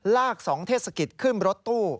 ๒เทศกิจขึ้นรถตู้